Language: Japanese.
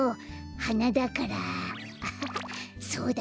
はなだからアハハそうだ